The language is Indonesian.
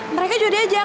mereka juga diajak